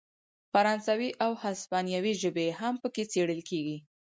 فرانسوي او هسپانوي ژبې هم پکې څیړل کیږي.